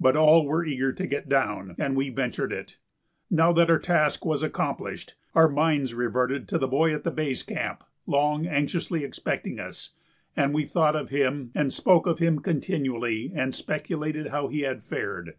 But all were eager to get down, and we ventured it. Now that our task was accomplished, our minds reverted to the boy at the base camp long anxiously expecting us, and we thought of him and spoke of him continually and speculated how he had fared.